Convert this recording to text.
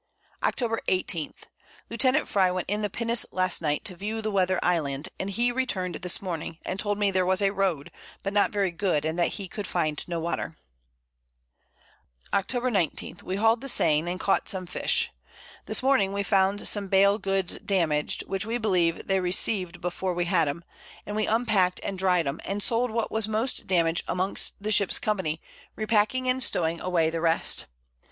Octob. 18. Lieutenant Fry went in the Pinnace last Night to view the Weather Island, and he returned this Morning, and told me there was a Road, but not very good and that he could find no Water. Octob. 19. We hal'd the Sain [Sein], and caught some Fish. This Morning we found some Bail Goods damaged, which we believe they received before we had 'em; we unpack'd and dry'd 'em, and sold what was most damaged amongst the Ships Company, repacking and stowing away the rest.